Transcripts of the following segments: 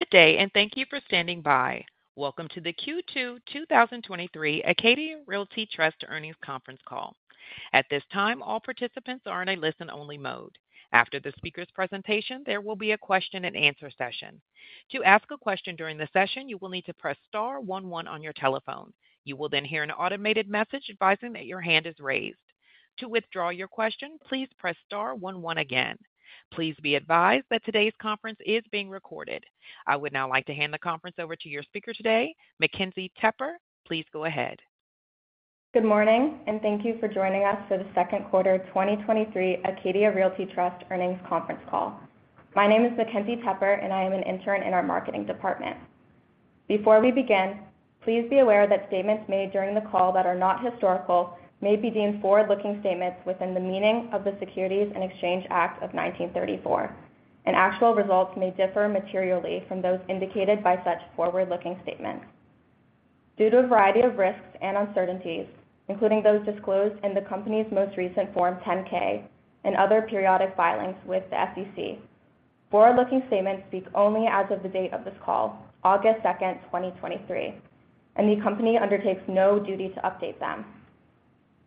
Good day, and thank you for standing by. Welcome to the Q2 2023 Acadia Realty Trust Earnings Conference Call. At this time, all participants are in a listen-only mode. After the speaker's presentation, there will be a question-and-answer session. To ask a question during the session, you will need to press star one one on your telephone. You will then hear an automated message advising that your hand is raised. To withdraw your question, please press star one one again. Please be advised that today's conference is being recorded. I would now like to hand the conference over to your speaker today, Mackenzie Tepper. Please go ahead. Good morning, and thank you for joining us for the second quarter 2023 Acadia Realty Trust Earnings Conference Call. My name is Mackenzie Tepper, and I am an intern in our marketing department. Before we begin, please be aware that statements made during the call that are not historical may be deemed forward-looking statements within the meaning of the Securities Exchange Act of 1934, and actual results may differ materially from those indicated by such forward-looking statements. Due to a variety of risks and uncertainties, including those disclosed in the company's most recent Form 10-K and other periodic filings with the SEC, forward-looking statements speak only as of the date of this call, August 2, 2023, and the company undertakes no duty to update them.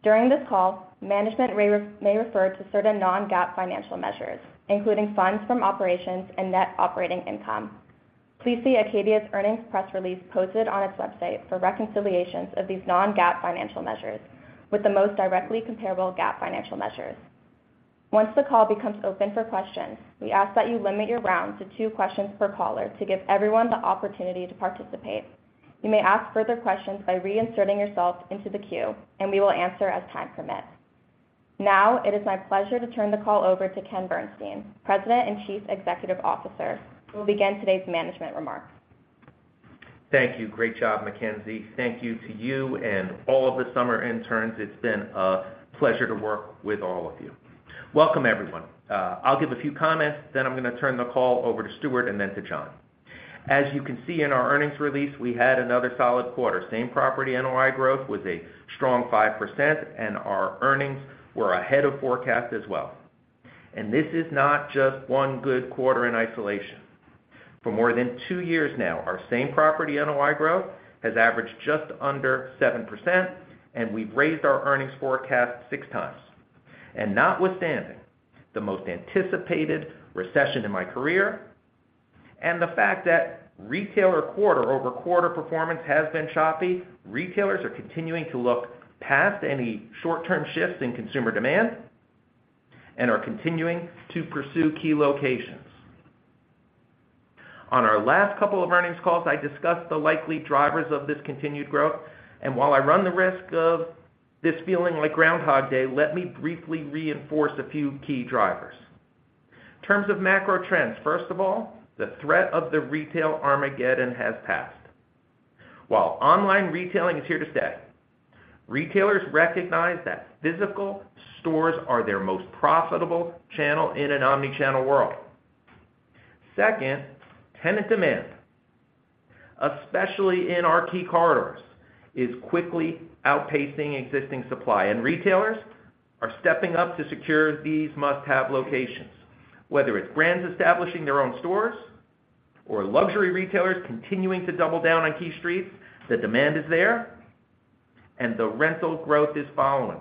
During this call, management may refer to certain non-GAAP financial measures, including funds from operations and net operating income. Please see Acadia's earnings press release posted on its website for reconciliations of these non-GAAP financial measures with the most directly comparable GAAP financial measures. Once the call becomes open for questions, we ask that you limit your rounds to two questions per caller to give everyone the opportunity to participate. You may ask further questions by reinserting yourself into the queue, and we will answer as time permits. Now, it is my pleasure to turn the call over to Ken Bernstein, President and Chief Executive Officer, who will begin today's management remarks. Thank you. Great job, Mackenzie. Thank you to you and all of the summer interns. It's been a pleasure to work with all of you. Welcome, everyone. I'll give a few comments, then I'm gonna turn the call over to Stuart and then to John. As you can see in our earnings release, we had another solid quarter. Same property NOI growth was a strong 5%, and our earnings were ahead of forecast as well. This is not just one good quarter in isolation. For more than two years now, our same property NOI growth has averaged just under 7%, and we've raised our earnings forecast six times. Notwithstanding the most anticipated recession in my career, and the fact that retailer quarter-over-quarter performance has been choppy, retailers are continuing to look past any short-term shifts in consumer demand and are continuing to pursue key locations. On our last couple of earnings calls, I discussed the likely drivers of this continued growth, and while I run the risk of this feeling like Groundhog Day, let me briefly reinforce a few key drivers. In terms of macro trends, first of all, the threat of the retail Armageddon has passed. While online retailing is here to stay, retailers recognize that physical stores are their most profitable channel in an omni-channel world. Second, tenant demand, especially in our key corridors, is quickly outpacing existing supply, and retailers are stepping up to secure these must-have locations. Whether it's brands establishing their own stores or luxury retailers continuing to double down on key streets, the demand is there, and the rental growth is following.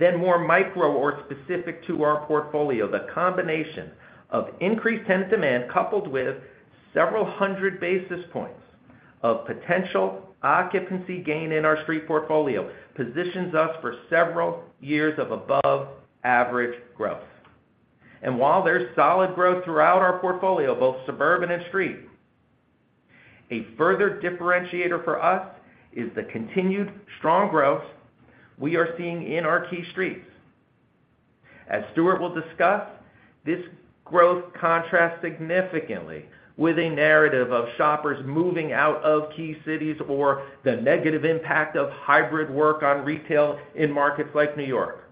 More micro or specific to our portfolio, the combination of increased tenant demand, coupled with several hundred basis points of potential occupancy gain in our street portfolio, positions us for several years of above-average growth. While there's solid growth throughout our portfolio, both suburban and street, a further differentiator for us is the continued strong growth we are seeing in our key streets. As Stuart will discuss, this growth contrasts significantly with a narrative of shoppers moving out of key cities or the negative impact of hybrid work on retail in markets like New York.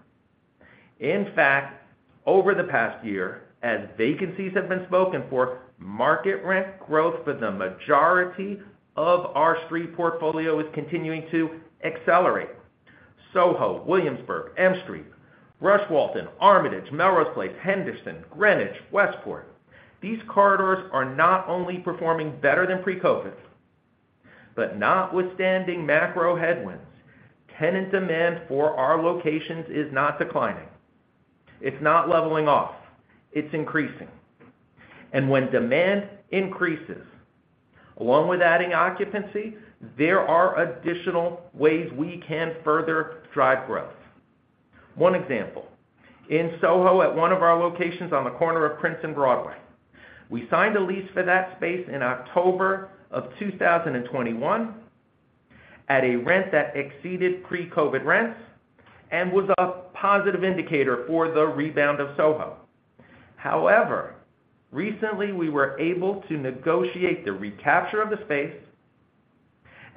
In fact, over the past year, as vacancies have been spoken for, market rent growth for the majority of our street portfolio is continuing to accelerate. Soho, Williamsburg, M Street, Rush Walton, Armitage, Melrose Place, Henderson, Greenwich, Westport. These corridors are not only performing better than pre-COVID, but notwithstanding macro headwinds, tenant demand for our locations is not declining. It's not leveling off, it's increasing. When demand increases, along with adding occupancy, there are additional ways we can further drive growth. One example, in Soho, at one of our locations on the corner of Prince and Broadway, we signed a lease for that space in October of 2021 at a rent that exceeded pre-COVID rents and was a positive indicator for the rebound of Soho. However, recently we were able to negotiate the recapture of the space,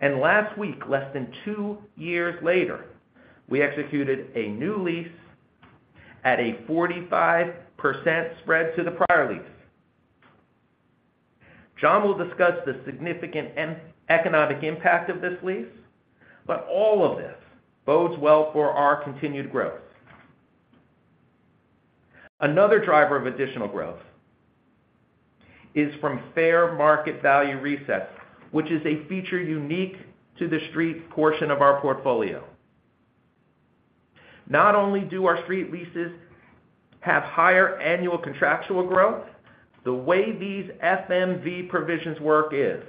and last week, less than two years later, we executed a new lease at a 45% spread to the prior lease. John will discuss the significant economic impact of this lease, but all of this bodes well for our continued growth. Another driver of additional growth is from fair market value resets, which is a feature unique to the street portion of our portfolio. Not only do our street leases have higher annual contractual growth, the way these FMV provisions work is,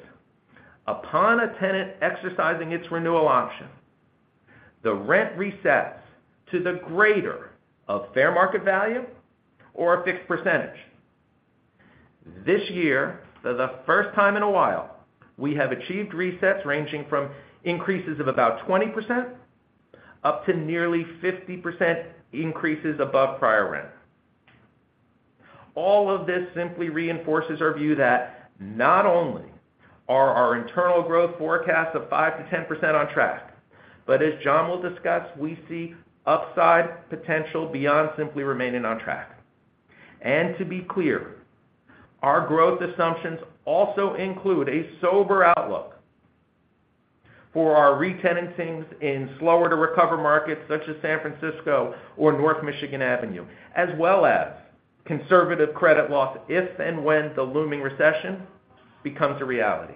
upon a tenant exercising its renewal option, the rent resets to the greater of fair market value or a fixed percentage. This year, for the first time in a while, we have achieved resets ranging from increases of about 20%, up to nearly 50% increases above prior rent. All of this simply reinforces our view that not only are our internal growth forecasts of 5%-10% on track, but as John will discuss, we see upside potential beyond simply remaining on track. To be clear, our growth assumptions also include a sober outlook for our re-tenantings in slower-to-recover markets, such as San Francisco or North Michigan Avenue, as well as conservative credit loss, if and when the looming recession becomes a reality.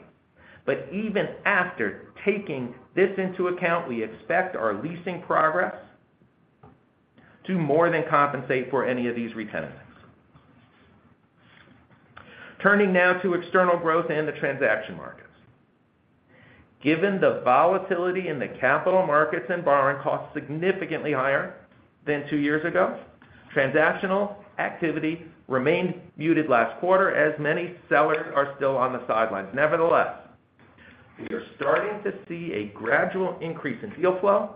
Even after taking this into account, we expect our leasing progress to more than compensate for any of these re-tenantings. Turning now to external growth and the transaction markets. Given the volatility in the capital markets and borrowing costs significantly higher than two years ago, transactional activity remained muted last quarter, as many sellers are still on the sidelines. Nevertheless, we are starting to see a gradual increase in deal flow,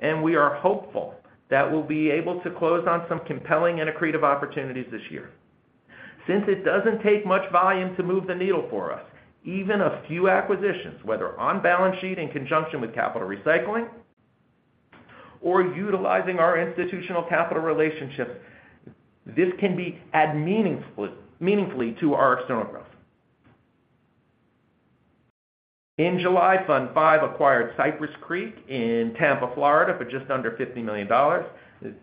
and we are hopeful that we'll be able to close on some compelling and accretive opportunities this year. Since it doesn't take much volume to move the needle for us, even a few acquisitions, whether on balance sheet in conjunction with capital recycling, or utilizing our institutional capital relationships, this can add meaningfully to our external growth. In July, Fund V acquired Cypress Creek in Tampa, Florida, for just under $50 million.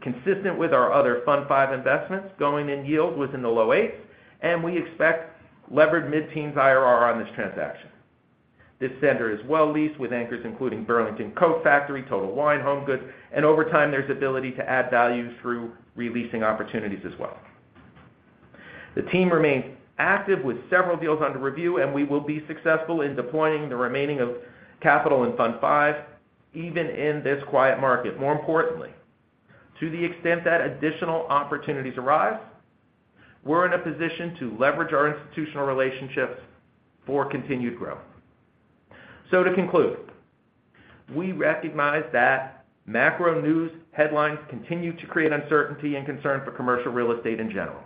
Consistent with our other Fund V investments, going in yield was in the low 8s, and we expect levered mid-teens IRR on this transaction. This center is well leased, with anchors including Burlington Coat Factory, Total Wine, HomeGoods, and over time, there's ability to add value through re-leasing opportunities as well. The team remains active with several deals under review, and we will be successful in deploying the remaining of capital in Fund V, even in this quiet market. More importantly, to the extent that additional opportunities arise, we're in a position to leverage our institutional relationships for continued growth. To conclude, we recognize that macro news headlines continue to create uncertainty and concern for commercial real estate in general.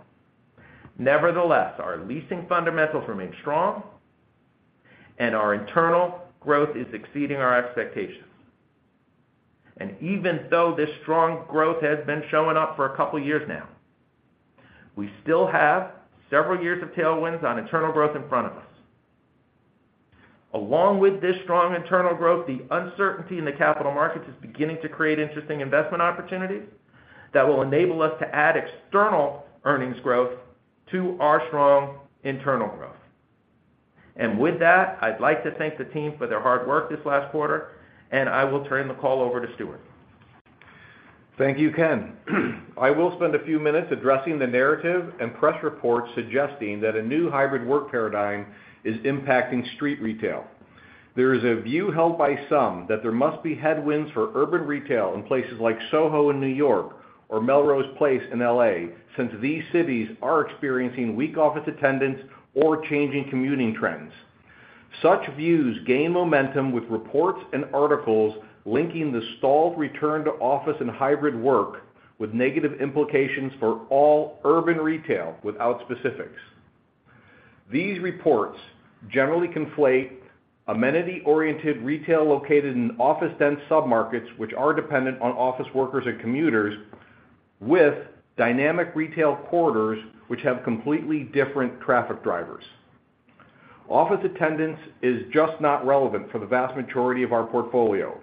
Nevertheless, our leasing fundamentals remain strong, and our internal growth is exceeding our expectations. Even though this strong growth has been showing up for a couple of years now, we still have several years of tailwinds on internal growth in front of us. Along with this strong internal growth, the uncertainty in the capital markets is beginning to create interesting investment opportunities that will enable us to add external earnings growth to our strong internal growth. With that, I'd like to thank the team for their hard work this last quarter, and I will turn the call over to Stuart. Thank you, Ken. I will spend a few minutes addressing the narrative and press reports suggesting that a new hybrid work paradigm is impacting street retail. There is a view held by some that there must be headwinds for urban retail in places like Soho in New York or Melrose Place in L.A., since these cities are experiencing weak office attendance or changing commuting trends. Such views gain momentum with reports and articles linking the stalled return to office and hybrid work with negative implications for all urban retail, without specifics. These reports generally conflate amenity-oriented retail located in office-dense submarkets, which are dependent on office workers and commuters, with dynamic retail corridors, which have completely different traffic drivers. Office attendance is just not relevant for the vast majority of our portfolio.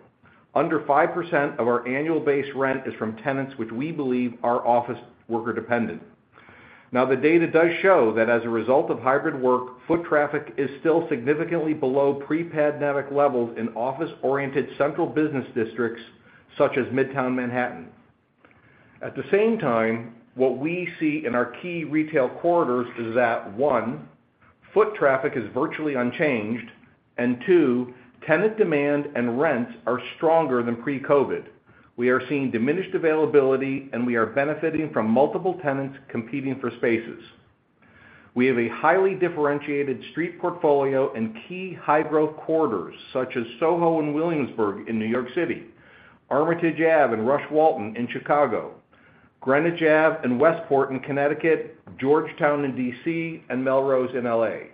Under 5% of our annual base rent is from tenants which we believe are office worker-dependent. Now, the data does show that as a result of hybrid work, foot traffic is still significantly below pre-pandemic levels in office-oriented central business districts, such as Midtown Manhattan. At the same time, what we see in our key retail corridors is that, one, foot traffic is virtually unchanged, and two, tenant demand and rents are stronger than pre-COVID. We are seeing diminished availability, and we are benefiting from multiple tenants competing for spaces. We have a highly differentiated street portfolio in key high-growth corridors, such as Soho and Williamsburg in New York City, Armitage Ave and Rush Walton in Chicago, Greenwich Ave and Westport in Connecticut, Georgetown in D.C., and Melrose in L.A.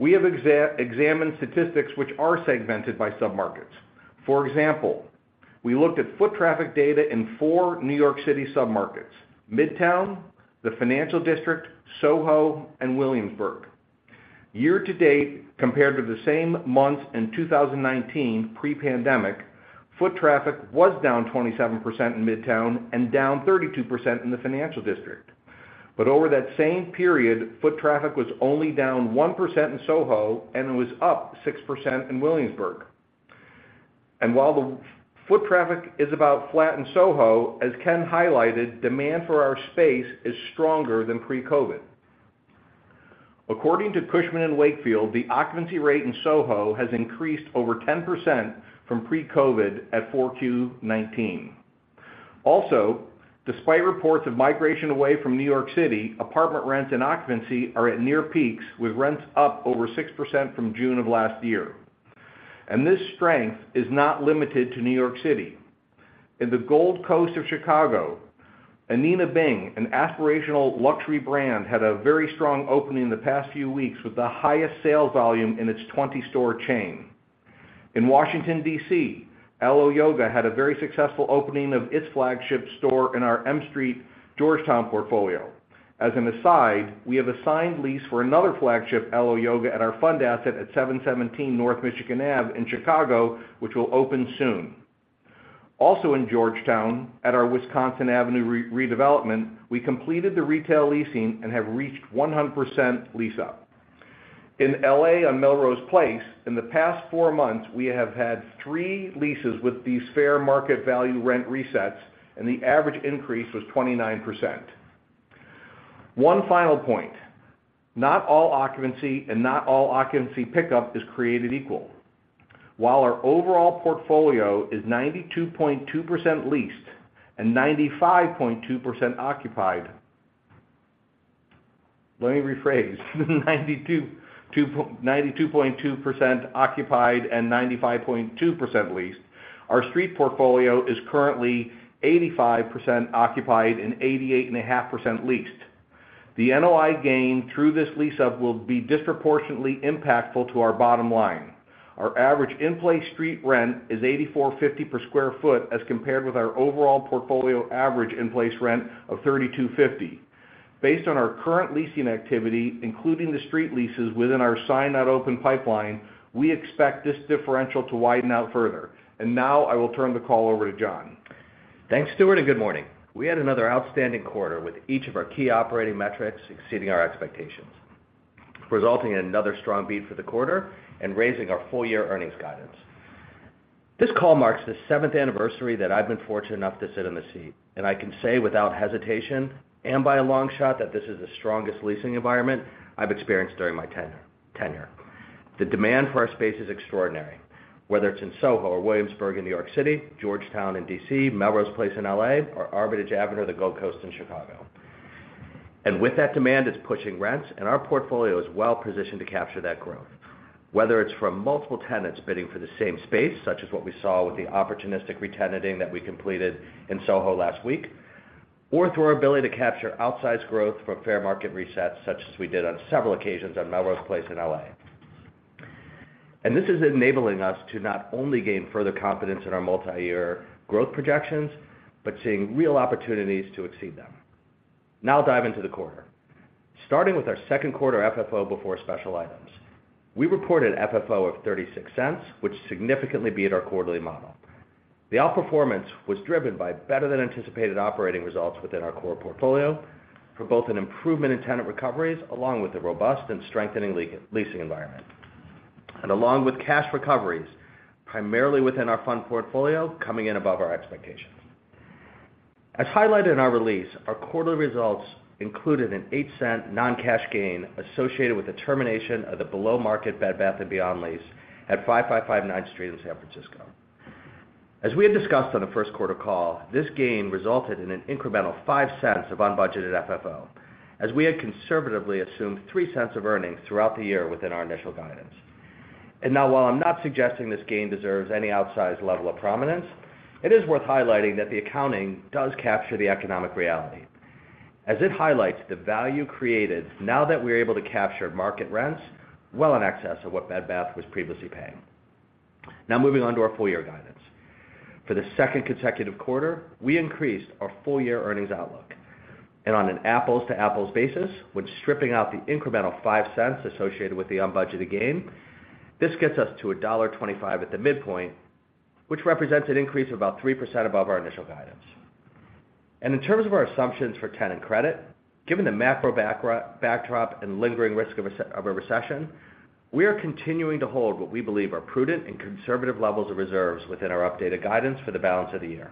We have examined statistics which are segmented by submarkets. For example, we looked at foot traffic data in four New York City submarkets: Midtown, the Financial District, Soho, and Williamsburg. Year-to-date, compared to the same months in 2019, pre-pandemic, foot traffic was down 27% in Midtown and down 32% in the Financial District. Over that same period, foot traffic was only down 1% in Soho, and it was up 6% in Williamsburg. While the foot traffic is about flat in Soho, as Ken highlighted, demand for our space is stronger than pre-COVID. According to Cushman & Wakefield, the occupancy rate in Soho has increased over 10% from pre-COVID at 4Q 2019. Also, despite reports of migration away from New York City, apartment rents and occupancy are at near peaks, with rents up over 6% from June of last year. This strength is not limited to New York City. In the Gold Coast of Chicago, Anine Bing, an aspirational luxury brand, had a very strong opening in the past few weeks, with the highest sales volume in its 20-store chain. In Washington, D.C., Alo Yoga had a very successful opening of its flagship store in our M Street, Georgetown portfolio. As an aside, we have a signed lease for another flagship Alo Yoga at our fund asset at 717 North Michigan Ave in Chicago, which will open soon. Also, in Georgetown, at our Wisconsin Avenue redevelopment, we completed the retail leasing and have reached 100% lease up. In L.A., on Melrose Place, in the past four months, we have had three leases with these fair market value rent resets, and the average increase was 29%. One final point, not all occupancy and not all occupancy pickup is created equal. While our overall portfolio is 92.2% leased and 95.2% occupied. Let me rephrase. 92.2% occupied and 95.2% leased. Our street portfolio is currently 85% occupied and 88.5% leased. The NOI gain through this lease up will be disproportionately impactful to our bottom line. Our average in-place street rent is $84.50 per sq ft, as compared with our overall portfolio average in-place rent of $32.50. Based on our current leasing activity, including the street leases within our signed, not open pipeline, we expect this differential to widen out further. Now, I will turn the call over to John. Thanks, Stuart, and good morning. We had another outstanding quarter with each of our key operating metrics exceeding our expectations, resulting in another strong beat for the quarter and raising our full-year earnings guidance. This call marks the seventh anniversary that I've been fortunate enough to sit in the seat, and I can say without hesitation, and by a long shot, that this is the strongest leasing environment I've experienced during my tenure. The demand for our space is extraordinary, whether it's in SoHo or Williamsburg in New York City, Georgetown in D.C., Melrose Place in L.A., or Armitage Avenue, or the Gold Coast in Chicago. With that demand, it's pushing rents, and our portfolio is well positioned to capture that growth, whether it's from multiple tenants bidding for the same space, such as what we saw with the opportunistic retenanting that we completed in Soho last week, or through our ability to capture outsized growth from fair market resets, such as we did on several occasions on Melrose Place in L.A. This is enabling us to not only gain further confidence in our multi-year growth projections, but seeing real opportunities to exceed them. Now I'll dive into the quarter. Starting with our second quarter FFO before special items. We reported an FFO of $0.36, which significantly beat our quarterly model. The outperformance was driven by better than anticipated operating results within our core portfolio, for both an improvement in tenant recoveries, along with a robust and strengthening leasing environment. Along with cash recoveries, primarily within our fund portfolio, coming in above our expectations. As highlighted in our release, our quarterly results included an $0.08 non-cash gain associated with the termination of the below-market Bed Bath & Beyond lease at 555 Ninth Street in San Francisco. As we had discussed on the first quarter call, this gain resulted in an incremental $0.05 of unbudgeted FFO, as we had conservatively assumed $0.03 of earnings throughout the year within our initial guidance. Now, while I'm not suggesting this gain deserves any outsized level of prominence, it is worth highlighting that the accounting does capture the economic reality, as it highlights the value created now that we are able to capture market rents well in excess of what Bed Bath was previously paying. Now moving on to our full year guidance. For the second consecutive quarter, we increased our full year earnings outlook, on an apples-to-apples basis, when stripping out the incremental $0.05 associated with the unbudgeted gain, this gets us to $1.25 at the midpoint, which represents an increase of about 3% above our initial guidance. In terms of our assumptions for tenant credit, given the macro backdrop and lingering risk of a recession, we are continuing to hold what we believe are prudent and conservative levels of reserves within our updated guidance for the balance of the year.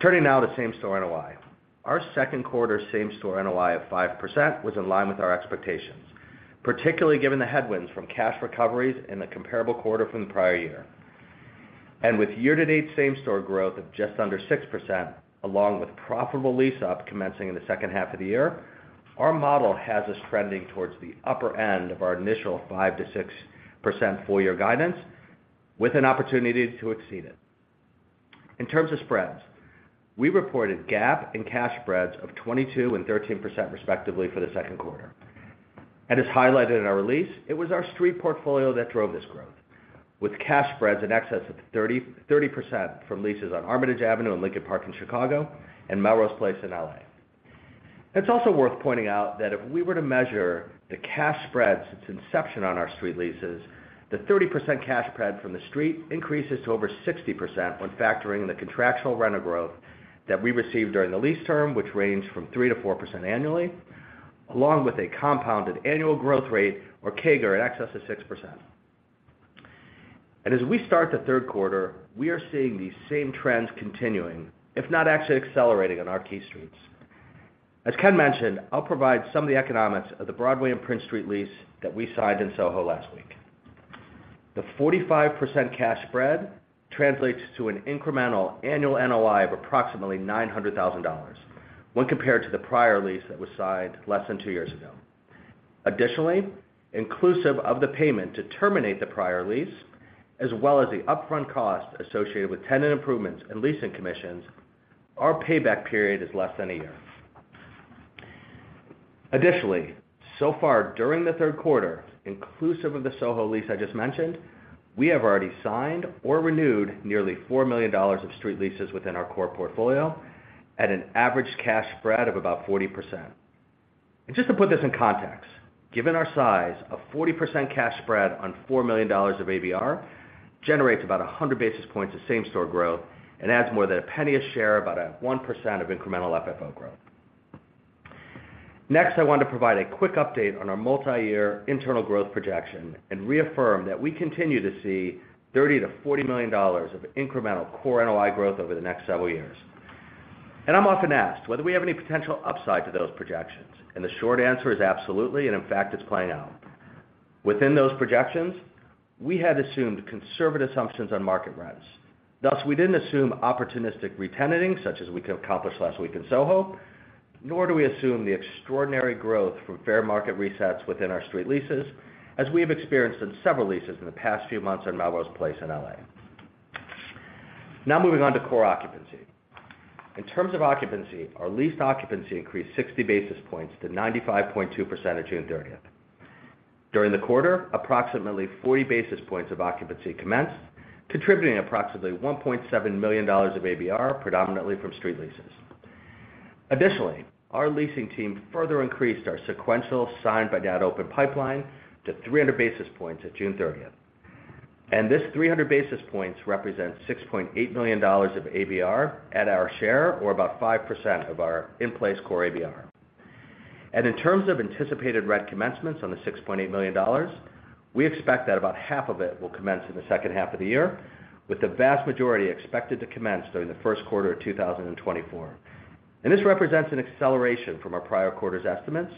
Turning now to same-store NOI. Our second quarter same-store NOI of 5% was in line with our expectations, particularly given the headwinds from cash recoveries in the comparable quarter from the prior year. With year-to-date same-store growth of just under 6%, along with profitable lease up commencing in the second half of the year, our model has us trending towards the upper end of our initial 5%-6% full year guidance, with an opportunity to exceed it. In terms of spreads, we reported GAAP and cash spreads of 22% and 13% respectively for the second quarter. As highlighted in our release, it was our street portfolio that drove this growth with cash spreads in excess of 30% from leases on Armitage Avenue and Lincoln Park in Chicago and Melrose Place in L.A. It's also worth pointing out that if we were to measure the cash spreads since inception on our street leases, the 30% cash spread from the street increases to over 60% when factoring the contractual rental growth that we received during the lease term, which ranged from 3%-4% annually, along with a compounded annual growth rate, or CAGR, in excess of 6%. As we start the third quarter, we are seeing these same trends continuing, if not actually accelerating on our key streets. As Ken mentioned, I'll provide some of the economics of the Broadway and Prince Street lease that we signed in Soho last week. The 45% cash spread translates to an incremental annual NOI of approximately $900,000 when compared to the prior lease that was signed less than two years ago. Additionally, inclusive of the payment to terminate the prior lease, as well as the upfront costs associated with tenant improvements and leasing commissions, our payback period is less than a year. Additionally, so far, during the third quarter, inclusive of the Soho lease I just mentioned, we have already signed or renewed nearly $4 million of street leases within our core portfolio at an average cash spread of about 40%. Just to put this in context, given our size, a 40% cash spread on $4 million of ABR generates about 100 basis points of same-store growth and adds more than $0.01 a share, about 1% of incremental FFO growth. Next, I want to provide a quick update on our multiyear internal growth projection and reaffirm that we continue to see $30 million-$40 million of incremental core NOI growth over the next several years. I'm often asked whether we have any potential upside to those projections, and the short answer is absolutely. In fact, it's playing out. Within those projections, we had assumed conservative assumptions on market rents. Thus, we didn't assume opportunistic re-tenanting, such as we accomplished last week in SoHo, nor do we assume the extraordinary growth from fair market resets within our street leases, as we have experienced in several leases in the past few months on Melrose Place in L.A. Now moving on to core occupancy. In terms of occupancy, our leased occupancy increased 60 basis points to 95.2% at June 30th. During the quarter, approximately 40 basis points of occupancy commenced, contributing approximately $1.7 million of ABR, predominantly from street leases. Additionally, our leasing team further increased our sequential signed but not open pipeline to 300 basis points at June 30th. This 300 basis points represents $6.8 million of ABR at our share, or about 5% of our in-place core ABR. In terms of anticipated rent commencements on the $6.8 million, we expect that about half of it will commence in the second half of the year, with the vast majority expected to commence during the first quarter of 2024. This represents an acceleration from our prior quarter's estimates,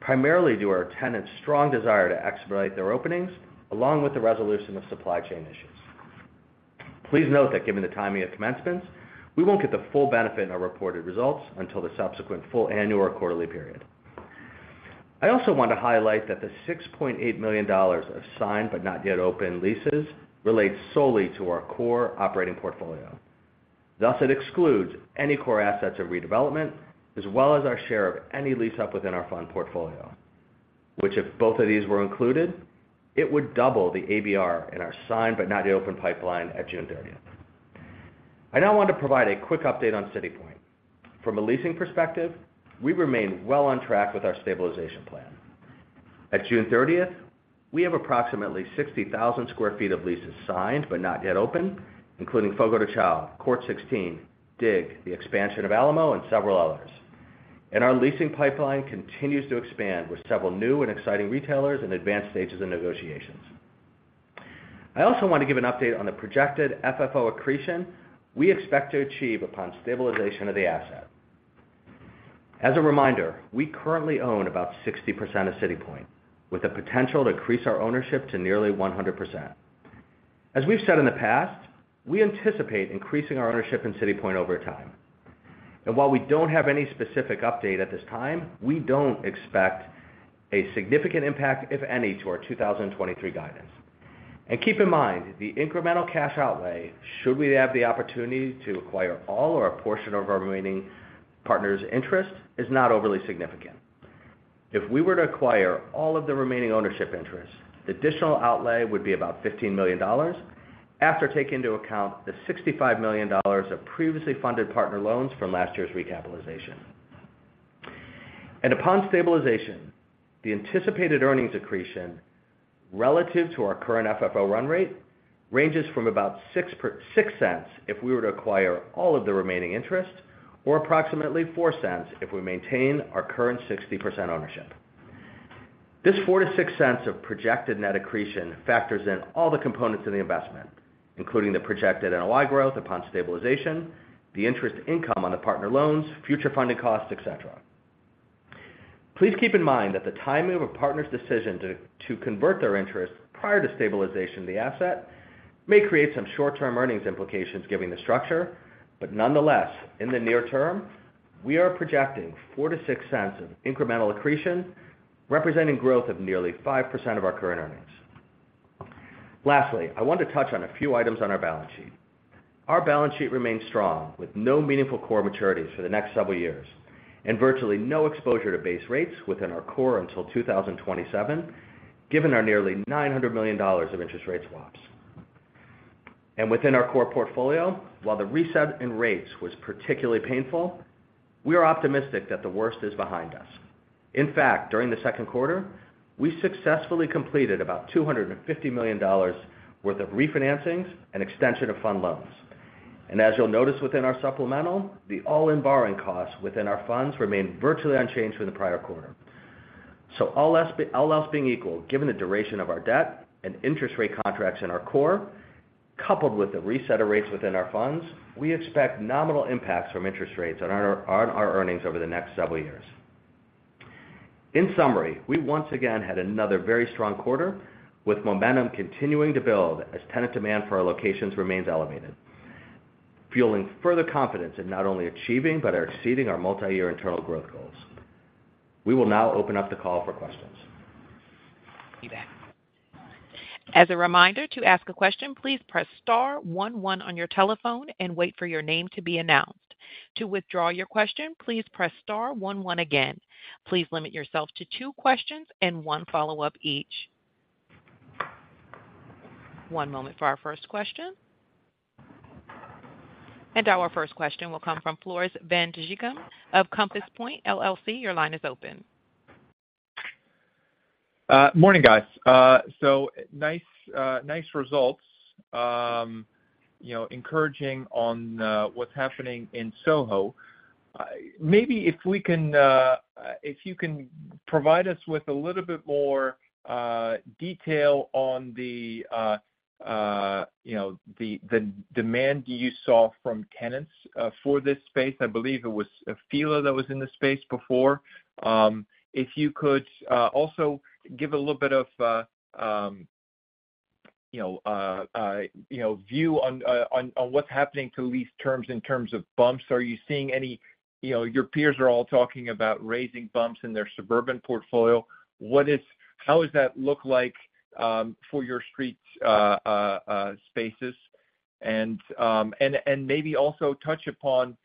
primarily due to our tenants' strong desire to expedite their openings, along with the resolution of supply chain issues. Please note that given the timing of commencements, we won't get the full benefit in our reported results until the subsequent full annual or quarterly period. I also want to highlight that the $6.8 million of signed but not yet open leases relates solely to our core operating portfolio. Thus, it excludes any core assets of redevelopment, as well as our share of any lease up within our fund portfolio, which if both of these were included, it would double the ABR in our signed but not yet open pipeline at June 30th. I now want to provide a quick update on City Point. From a leasing perspective, we remain well on track with our stabilization plan. At June 30th, we have approximately 60,000 sq ft of leases signed but not yet open, including Fogo de Chão, Court Sixteen, Dig, the expansion of Alamo, and several others. Our leasing pipeline continues to expand with several new and exciting retailers in advanced stages of negotiations. I also want to give an update on the projected FFO accretion we expect to achieve upon stabilization of the asset. As a reminder, we currently own about 60% of City Point, with the potential to increase our ownership to nearly 100%. As we've said in the past, we anticipate increasing our ownership in City Point over time. While we don't have any specific update at this time, we don't expect a significant impact, if any, to our 2023 guidance. Keep in mind, the incremental cash outlay, should we have the opportunity to acquire all or a portion of our remaining partner's interest, is not overly significant. If we were to acquire all of the remaining ownership interests, the additional outlay would be about $15 million, after taking into account the $65 million of previously funded partner loans from last year's recapitalization. Upon stabilization, the anticipated earnings accretion relative to our current FFO run rate ranges from about $0.06 if we were to acquire all of the remaining interests, or approximately $0.04 if we maintain our current 60% ownership. This $0.04-$0.06 of projected net accretion factors in all the components of the investment, including the projected NOI growth upon stabilization, the interest income on the partner loans, future funding costs, et cetera. Please keep in mind that the timing of a partner's decision to convert their interest prior to stabilization of the asset may create some short-term earnings implications, given the structure, but nonetheless, in the near term, we are projecting $0.04-$0.06 of incremental accretion, representing growth of nearly 5% of our current earnings. Lastly, I want to touch on a few items on our balance sheet.... Our balance sheet remains strong, with no meaningful core maturities for the next several years, and virtually no exposure to base rates within our core until 2027, given our nearly $900 million of interest rate swaps. Within our core portfolio, while the reset in rates was particularly painful, we are optimistic that the worst is behind us. In fact, during the second quarter, we successfully completed about $250 million worth of refinancings and extension of fund loans. As you'll notice within our supplemental, the all-in borrowing costs within our funds remained virtually unchanged from the prior quarter. All else, all else being equal, given the duration of our debt and interest rate contracts in our core, coupled with the reset of rates within our funds, we expect nominal impacts from interest rates on our, on our earnings over the next several years. In summary, we once again had another very strong quarter, with momentum continuing to build as tenant demand for our locations remains elevated, fueling further confidence in not only achieving but exceeding our multi-year internal growth goals. We will now open up the call for questions. As a reminder, to ask a question, please press star one one on your telephone and wait for your name to be announced. To withdraw your question, please press star one one again. Please limit yourself to 2 questions and 1 follow-up each. 1 moment for our first question. Our first question will come from Floris van Dijkum of Compass Point Research & Trading. Your line is open. ` tags. Morning, guys. So nice, nice results. You know, encouraging on what's happening in Soho. Maybe if we can, if you can provide us with a little bit more detail on the, you know, the, the demand you saw from tenants for this space. I believe it was Fila that was in the space before. If you could also give a little bit of, you know, view on, on, on what's happening to lease terms in terms of bumps. Are you seeing any? You know, your peers are all talking about raising bumps in their suburban portfolio. What is, how does that look like for your street spaces? Maybe also touch upon,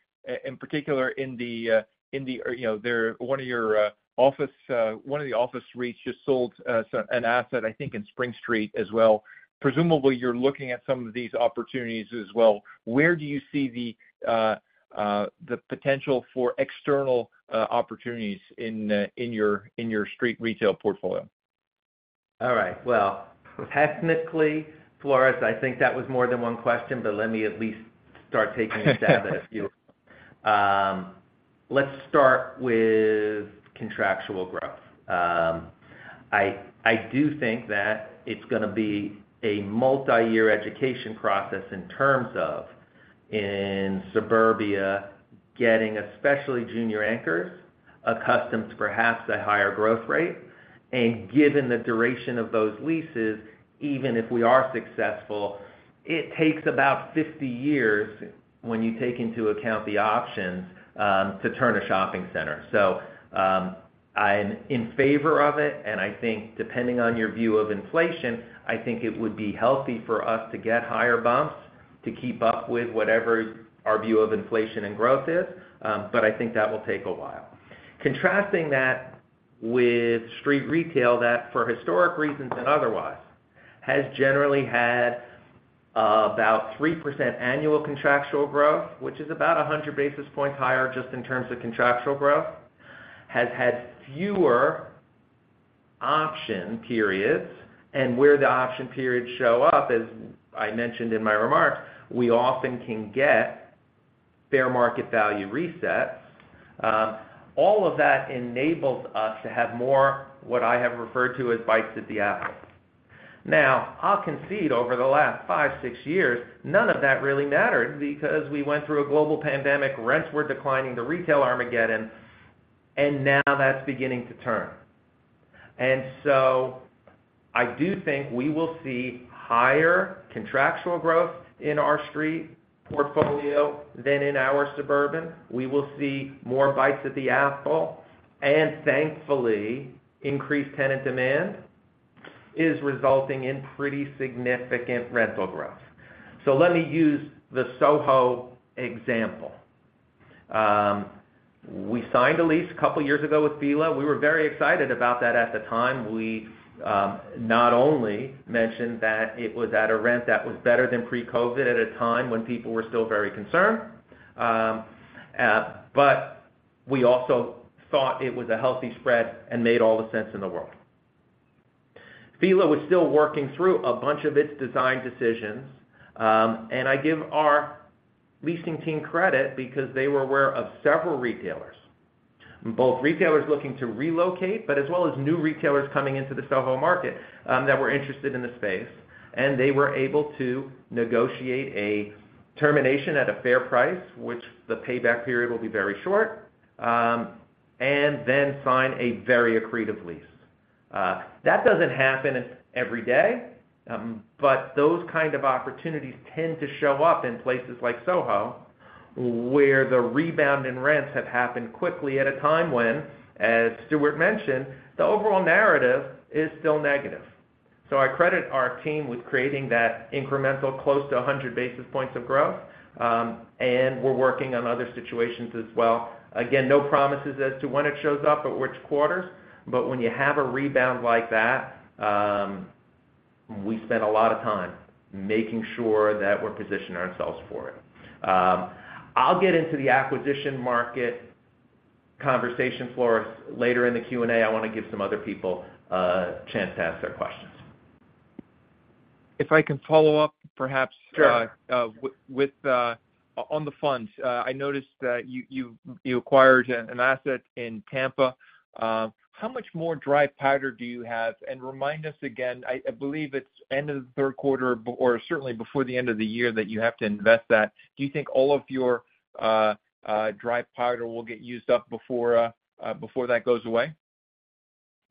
in particular, in the, in the, you know, one of your, office, one of the office REITs just sold, an asset, I think, in Spring Street as well. Presumably, you're looking at some of these opportunities as well. Where do you see the, the potential for external, opportunities in, in your, in your street retail portfolio? All right. Well, technically, Floris, I think that was more than one question, but let me at least start taking a stab at a few. Let's start with contractual growth. I, I do think that it's gonna be a multi-year education process in terms of in suburbia, getting especially junior anchors accustomed to perhaps a higher growth rate. Given the duration of those leases, even if we are successful, it takes about 50 years when you take into account the options, to turn a shopping center. I'm in favor of it, and I think depending on your view of inflation, I think it would be healthy for us to get higher bumps to keep up with whatever our view of inflation and growth is, but I think that will take a while. Contrasting that with street retail, that, for historic reasons and otherwise, has generally had about 3% annual contractual growth, which is about 100 basis points higher just in terms of contractual growth, has had fewer option periods. Where the option periods show up, as I mentioned in my remarks, we often can get fair market value reset. All of that enables us to have more, what I have referred to as bites at the apple. Now, I'll concede over the last five, six years, none of that really mattered because we went through a global pandemic, rents were declining, the retail armageddon, and now that's beginning to turn. I do think we will see higher contractual growth in our street portfolio than in our suburban. We will see more bites at the apple, and thankfully, increased tenant demand is resulting in pretty significant rental growth. Let me use the Soho example. We signed a lease a couple of years ago with Fila. We were very excited about that at the time. We, not only mentioned that it was at a rent that was better than pre-COVID at a time when people were still very concerned, but we also thought it was a healthy spread and made all the sense in the world. Fila was still working through a bunch of its design decisions, and I give our leasing team credit because they were aware of several retailers, both retailers looking to relocate, but as well as new retailers coming into the Soho market, that were interested in the space. They were able to negotiate a termination at a fair price, which the payback period will be very short, and then sign a very accretive lease. That doesn't happen every day, but those kind of opportunities tend to show up in places like Soho, where the rebound in rents have happened quickly at a time when, as Stuart mentioned, the overall narrative is still negative. I credit our team with creating that incremental close to 100 basis points of growth, and we're working on other situations as well. Again, no promises as to when it shows up or which quarters, but when you have a rebound like that, we spend a lot of time making sure that we're positioning ourselves for it. I'll get into the acquisition market conversation, Floris, later in the Q&A. I wanna give some other people a chance to ask their questions. If I can follow up, perhaps- Sure. With on the funds. I noticed that you, you, you acquired an asset in Tampa. How much more dry powder do you have? Remind us again, I, I believe it's end of the third quarter, or certainly before the end of the year, that you have to invest that. Do you think all of your dry powder will get used up before before that goes away?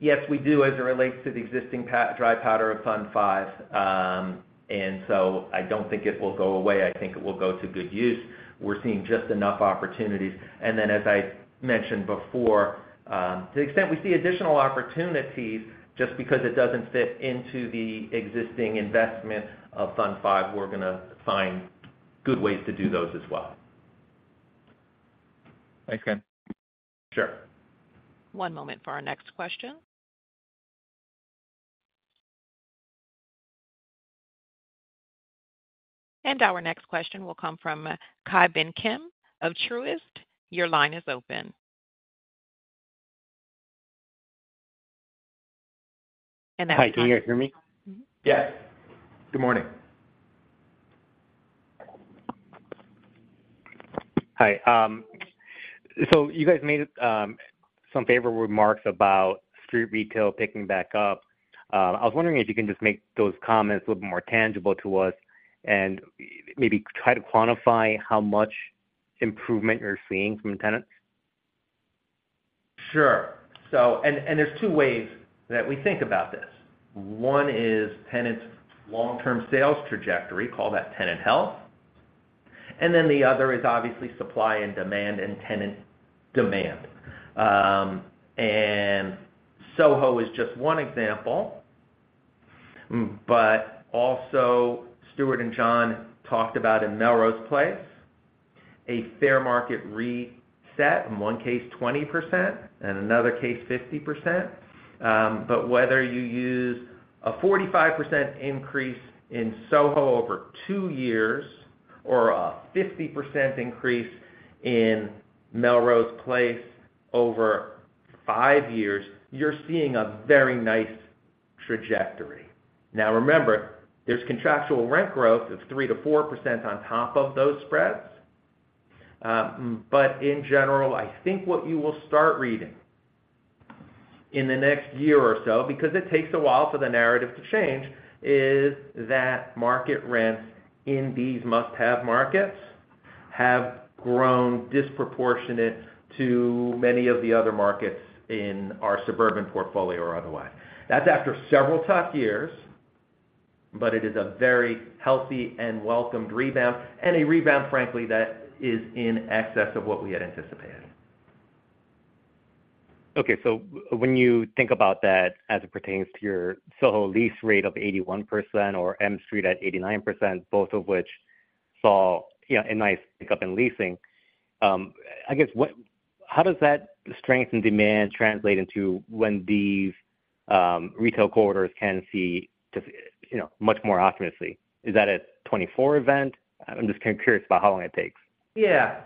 Yes, we do, as it relates to the existing dry powder of Fund V. So I don't think it will go away. I think it will go to good use. We're seeing just enough opportunities. Then, as I mentioned before, to the extent we see additional opportunities, just because it doesn't fit into the existing investment of Fund V, we're gonna find good ways to do those as well. Thanks, Ken. Sure. One moment for our next question. Our next question will come from Ki Bin Kim of Truist. Your line is open. Now, Kai. Hi, can you hear me? Yes. Good morning. Hi. You guys made some favorable remarks about street retail picking back up. I was wondering if you can just make those comments a little more tangible to us and maybe try to quantify how much improvement you're seeing from tenants? Sure. There's two ways that we think about this. One is tenants' long-term sales trajectory, call that tenant health. Then the other is obviously supply and demand, and tenant demand. Soho is just one example, but also Stuart and John talked about in Melrose Place, a fair market reset, in one case, 20%, and another case, 50%. But whether you use a 45% increase in Soho over two years or a 50% increase in Melrose Place over five years, you're seeing a very nice trajectory. Now remember, there's contractual rent growth of 3%-4% on top of those spreads. In general, I think what you will start reading in the next year or so, because it takes a while for the narrative to change, is that market rents in these must-have markets have grown disproportionate to many of the other markets in our suburban portfolio or otherwise. That's after several tough years, but it is a very healthy and welcomed rebound, and a rebound, frankly, that is in excess of what we had anticipated. Okay, when you think about that as it pertains to your Soho lease rate of 81% or M Street at 89%, both of which saw, you know, a nice pick-up in leasing, I guess, how does that strength and demand translate into when these retail corridors can see, just, you know, much more optimistically? Is that a 2024 event? I'm just kind of curious about how long it takes. Yeah.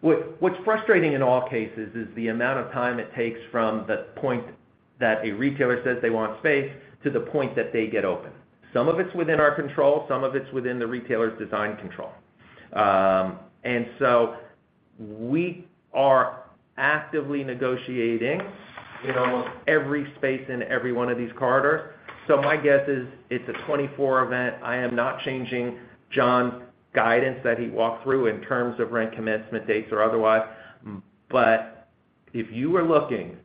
What's frustrating in all cases is the amount of time it takes from the point that a retailer says they want space, to the point that they get open. Some of it's within our control, some of it's within the retailer's design control. We are actively negotiating in almost every space in every one of these corridors. My guess is it's a 24 event. I am not changing John's guidance that he walked through in terms of rent commencement dates or otherwise. If you were looking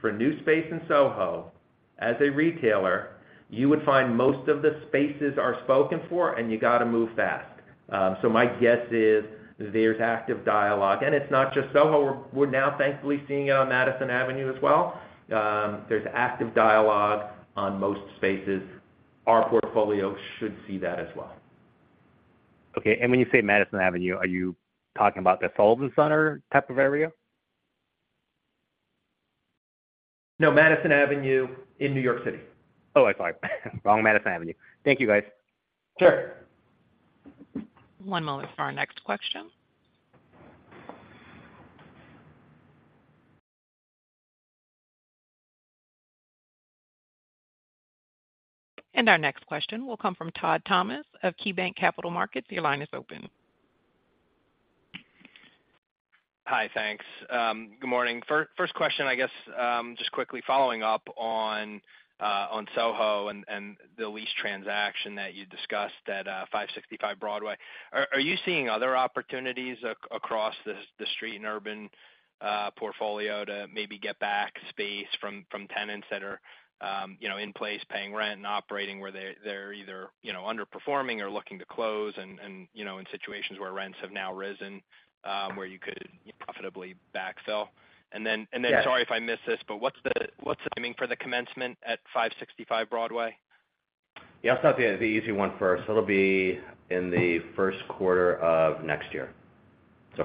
for new space in Soho, as a retailer, you would find most of the spaces are spoken for, and you got to move fast. My guess is, there's active dialogue, and it's not just Soho, we're now thankfully seeing it on Madison Avenue as well. There's active dialogue on most spaces. Our portfolio should see that as well. Okay, when you say Madison Avenue, are you talking about the Sullivan Center type of area? No, Madison Avenue in New York City. Oh, I'm sorry. Wrong Madison Avenue. Thank you, guys. Sure. One moment for our next question. Our next question will come from Todd Thomas of KeyBank Capital Markets. Your line is open. Hi, thanks. Good morning. First, first question, I guess, just quickly following up on SoHo and the lease transaction that you discussed at 565 Broadway. Are you seeing other opportunities across the street in urban portfolio to maybe get back space from tenants that are, you know, in place paying rent? and operating where they're either, you know, underperforming or looking to close and, you know, in situations where rents have now risen, where you could profitably backfill. Then- Yeah. Sorry if I missed this, but what's the, what's the timing for the commencement at 565 Broadway? Yeah, I'll start the, the easy one first. It'll be in the first quarter of next year.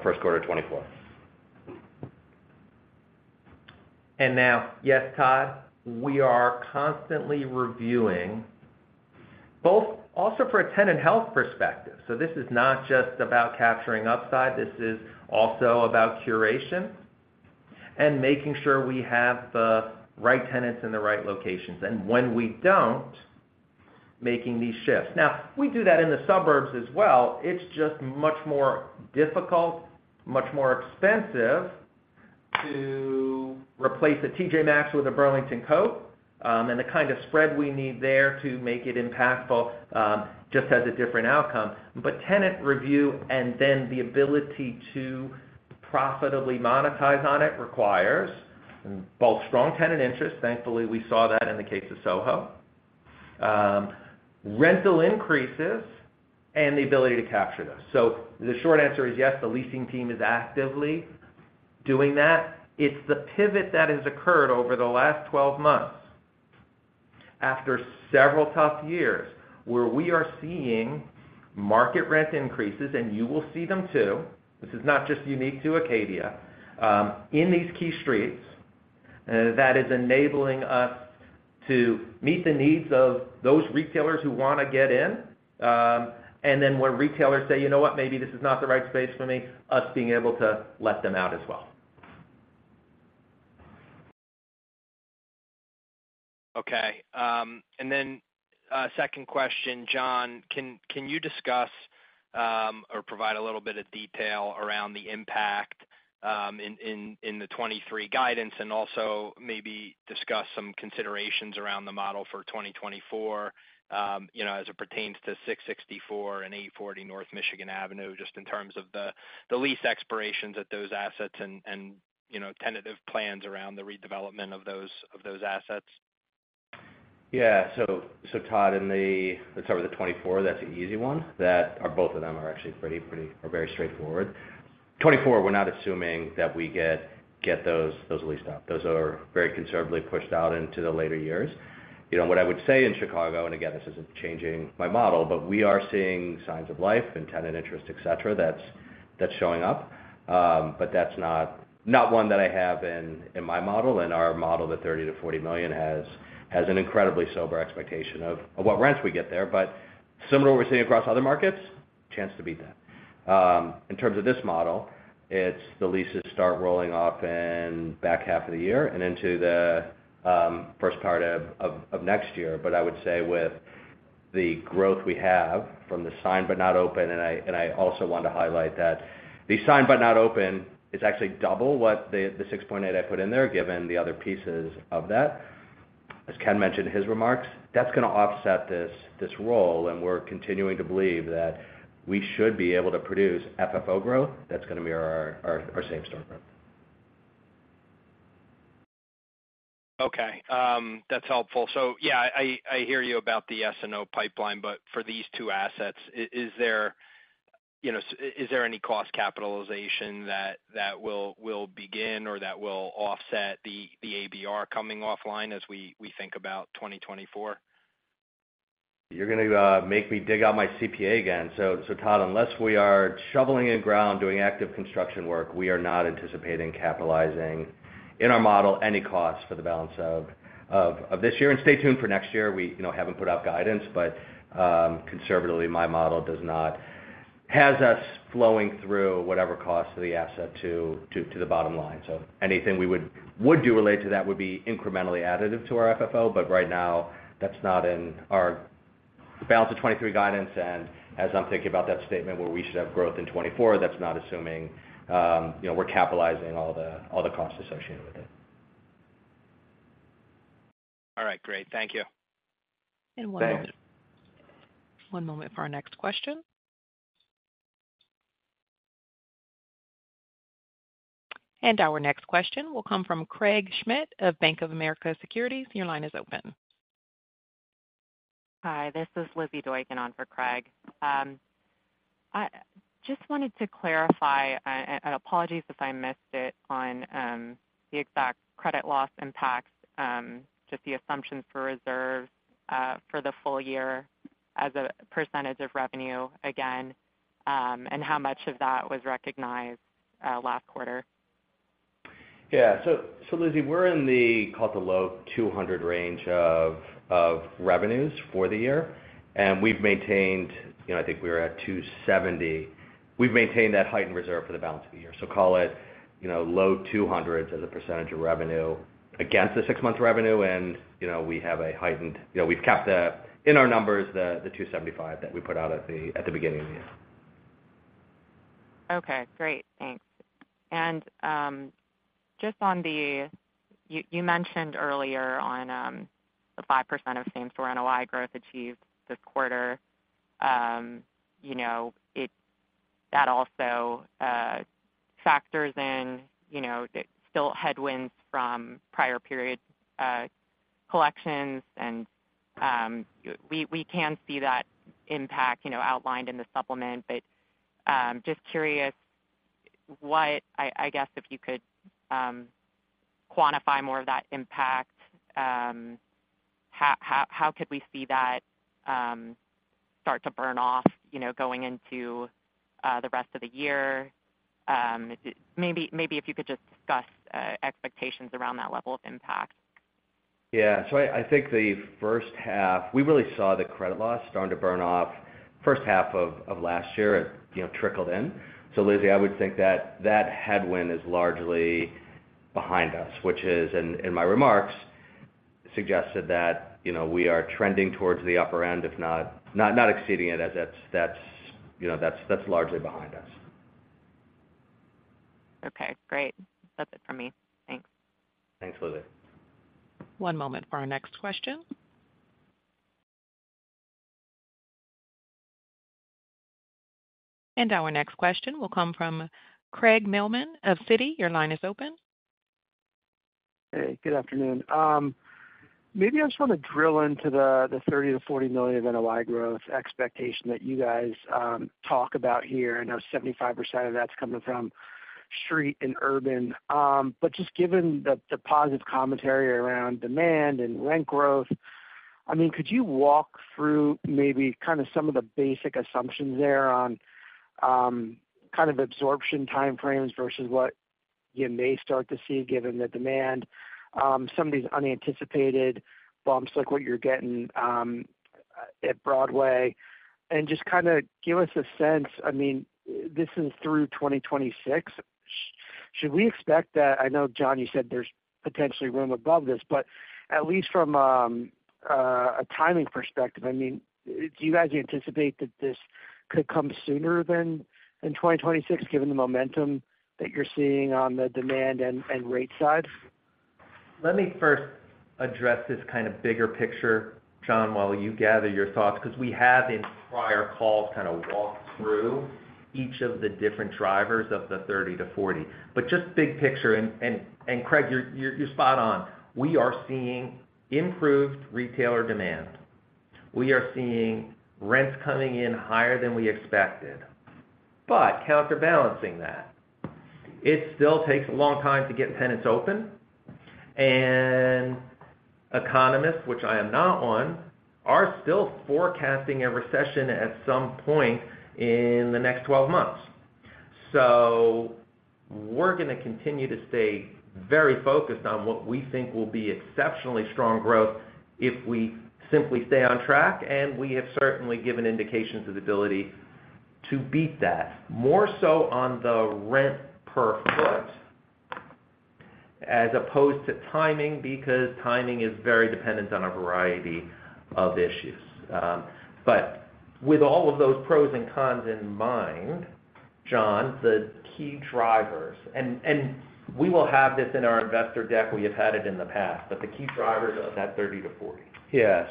First quarter 2024. Now, yes, Todd, we are constantly reviewing, both also for a tenant health perspective. This is not just about capturing upside, this is also about curation and making sure we have the right tenants in the right locations, and when we don't, making these shifts. Now, we do that in the suburbs as well. It's just much more difficult, much more expensive to replace a TJ Maxx with a Burlington Coat. And the kind of spread we need there to make it impactful, just has a different outcome. Tenant review and then the ability to profitably monetize on it requires both strong tenant interest, thankfully, we saw that in the case of Soho, rental increases, and the ability to capture those. The short answer is yes, the leasing team is actively doing that. It's the pivot that has occurred over the last 12 months, after several tough years, where we are seeing market rent increases, and you will see them, too. This is not just unique to Acadia, in these key streets, that is enabling us to meet the needs of those retailers who want to get in. When retailers say, "You know what, maybe this is not the right space for me," us being able to let them out as well. Okay, and then, second question, John, can, can you discuss, or provide a little bit of detail around the impact, in, in, in the 2023 guidance, and also maybe discuss some considerations around the model for 2024, you know, as it pertains to 664 and 840 North Michigan Avenue, just in terms of the, the lease expirations at those assets and, and, you know, tentative plans around the redevelopment of those, of those assets? Yeah. So, Todd, in the-- let's start with the 2024, that's the easy one. That, or both of them are actually pretty, pretty, or very straightforward. 2024, we're not assuming that we get, get those, those leased up. Those are very conservatively pushed out into the later years. You know, what I would say in Chicago, and again, this isn't changing my model, but we are seeing signs of life and tenant interest, et cetera, that's, that's showing up. That's not, not one that I have in, in my model. Our model, the $30 million-$40 million, has, has an incredibly sober expectation of, of what rents we get there. Similar to what we're seeing across other markets, chance to beat that. In terms of this model, it's the leases start rolling off in back half of the year and into the first part of next year. I would say with the growth we have from the signed but not open, and I, and I also want to highlight that the signed but not open is actually double what the 6.8 I put in there, given the other pieces of that. As Ken mentioned in his remarks, that's going to offset this, this role, and we're continuing to believe that we should be able to produce FFO growth. That's going to be our, our, our same store growth. Okay, that's helpful. Yeah, I, I hear you about the S&O pipeline, but for these two assets, is there, you know, is there any cost capitalization that will begin or that will offset the ABR coming offline as we think about 2024? You're gonna make me dig out my CPA again. So Todd, unless we are shoveling in ground, doing active construction work, we are not anticipating capitalizing, in our model, any costs for the balance of this year. Stay tuned for next year. We, you know, haven't put out guidance, but conservatively, my model does not has us flowing through whatever costs of the asset to the bottom line. Anything we would do related to that would be incrementally additive to our FFO. Right now, that's not in our balance of 2023 guidance. As I'm thinking about that statement, where we should have growth in 2024, that's not assuming, you know, we're capitalizing all the costs associated with it. All right, great. Thank you. Thanks. One moment. One moment for our next question. Our next question will come from Craig Schmidt of Bank of America Securities. Your line is open. Hi, this is Lizzie Doykan on for Craig. I just wanted to clarify, apologies if I missed it, on the exact credit loss impacts, just the assumptions for reserves for the full year as a % of revenue again, and how much of that was recognized last quarter? Yeah. Lizzie, we're in the, call it, the low $200 range of revenues for the year. We've maintained... You know, I think we were at $270. We've maintained that heightened reserve for the balance of the year. Call it, you know, low $200s as a percentage of revenue against the 6-month revenue. You know, we've kept the, in our numbers, the $275 that we put out at the beginning of the year. Okay, great. Thanks. Just on the-- you, you mentioned earlier on, the 5% of same-store NOI growth achieved this quarter. You know, that also factors in, you know, the still headwinds from prior period, collections, and, we, we can see that impact, you know, outlined in the supplement. Just curious, I, I guess, if you could quantify more of that impact, how, how, how could we see that start to burn off, you know, going into the rest of the year? Maybe, maybe if you could just discuss expectations around that level of impact. I, I think the first half, we really saw the credit loss starting to burn off first half of last year, it, you know, trickled in. Lizzy, I would think that that headwind is largely behind us, which is, in my remarks, suggested that, you know, we are trending towards the upper end, if not-- not, not exceeding it, as that's, that's, you know, that's, that's largely behind us. Okay, great. That's it for me. Thanks. Thanks, Lizzy. One moment for our next question. Our next question will come from Craig Mailman of Citi. Your line is open. Hey, good afternoon. maybe I just wanna drill into the $30 million-$40 million of NOI growth expectation that you guys talk about here. I know 75% of that's coming from street and urban. just given the positive commentary around demand and rent growth, I mean, could you walk through maybe kind of some of the basic assumptions there on kind of absorption time frames versus what you may start to see given the demand, some of these unanticipated bumps, like what you're getting at Broadway? Just kind of give us a sense, I mean, this is through 2026. Should we expect that... I know, John, you said there's potentially room above this, but at least from a timing perspective, I mean, do you guys anticipate that this could come sooner than 2026, given the momentum that you're seeing on the demand and rate side? Let me first address this kind of bigger picture, John, while you gather your thoughts, because we have in prior calls, kind of walked through each of the different drivers of the 30-40. Just big picture, and Craig, you're spot on. We are seeing improved retailer demand. We are seeing rents coming in higher than we expected. Counterbalancing that, it still takes a long time to get tenants open, and economists, which I am not one, are still forecasting a recession at some point in the next 12 months. We're gonna continue to stay very focused on what we think will be exceptionally strong growth if we simply stay on track, we have certainly given indications of the ability to beat that, more so on the rent per foot, as opposed to timing, because timing is very dependent on a variety of issues. With all of those pros and cons in mind, John, the key drivers, and we will have this in our investor deck, we have had it in the past, the key drivers of that 30-40. Yeah.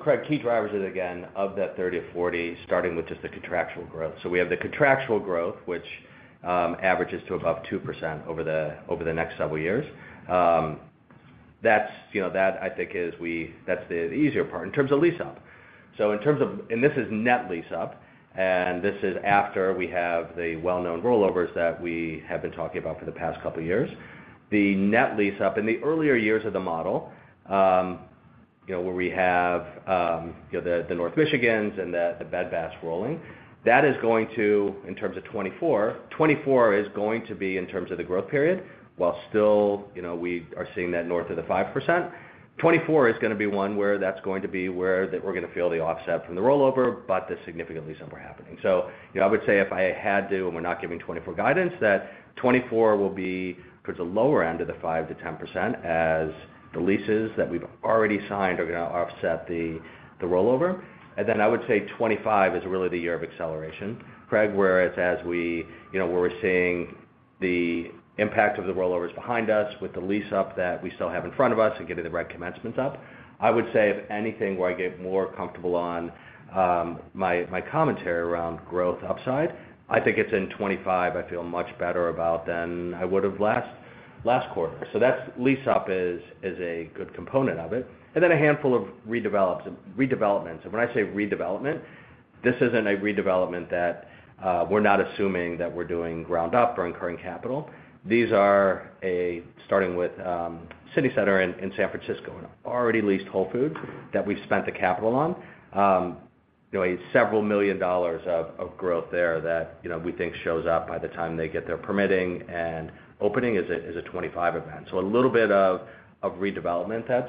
Craig, key drivers are, again, of that 30-40, starting with just the contractual growth. We have the contractual growth, which averages to above 2% over the next several years. That's, you know, that I think, is that's the easier part in terms of lease up. This is net lease up, and this is after we have the well-known rollovers that we have been talking about for the past couple of years. The net lease up in the earlier years of the model, you know, where we have, you know, the, the North Michigan and the, the Bed Bath rolling, that is going to, in terms of 2024, 2024 is going to be in terms of the growth period, while still, you know, we are seeing that north of the 5%. 2024 is gonna be one where that's going to be where we're gonna feel the offset from the rollover, but the significant lease-up are happening. You know, I would say, if I had to, and we're not giving 2024 guidance, that 2024 will be towards the lower end of the 5%-10%, as the leases that we've already signed are gonna offset the, the rollover. Then I would say 2025 is really the year of acceleration, Craig, whereas as we, you know, where we're seeing the impact of the rollovers behind us with the lease up that we still have in front of us and getting the right commencements up. I would say, if anything, where I get more comfortable on my, my commentary around growth upside, I think it's in 2025, I feel much better about than I would have last, last quarter. That's lease up is, is a good component of it, and then a handful of redevelopments. When I say redevelopment, this isn't a redevelopment that we're not assuming that we're doing ground up or incurring capital. These are, starting with City Center in San Francisco, an already leased Whole Foods that we've spent the capital on. You know, several million dollars of growth there that, you know, we think shows up by the time they get their permitting and opening as a 2025 event. A little bit of redevelopment,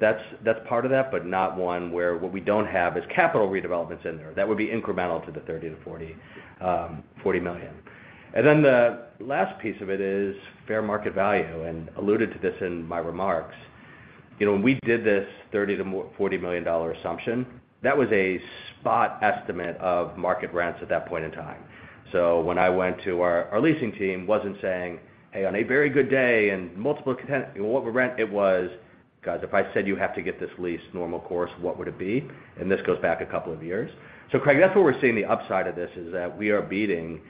that's part of that, but not one where what we don't have is capital redevelopments in there. That would be incremental to the $30 million-$40 million. Then the last piece of it is fair market value, and alluded to this in my remarks. You know, when we did this $30 million-$40 million assumption, that was a spot estimate of market rents at that point in time. When I went to our leasing team wasn't saying, "Hey, on a very good day, and multiple content, what rent it was?... guys, if I said you have to get this lease normal course, what would it be? This goes back a couple of years. Craig, that's where we're seeing the upside of this, is that we are beating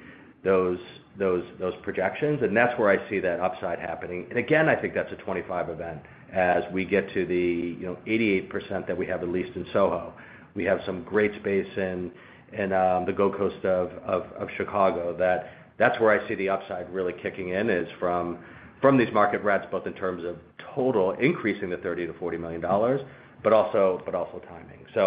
those, those, those projections, and that's where I see that upside happening. Again, I think that's a 25 event as we get to the, you know, 88% that we have at least in Soho. We have some great space in, in the Gold Coast of Chicago, that that's where I see the upside really kicking in, is from, from these market rents, both in terms of total increasing the $30 million-$40 million, but also, but also timing. You